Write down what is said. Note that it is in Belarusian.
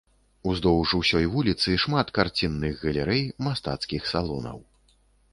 Ўздоўж усёй вуліцы шмат карцінных галерэй, мастацкіх салонаў.